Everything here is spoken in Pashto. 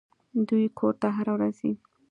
دوى کور ته هره ورځ ځي.